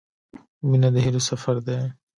• مینه د هیلو سفر دی.